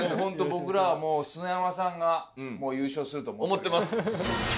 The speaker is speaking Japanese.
僕らは砂山さんがもう優勝すると思ってます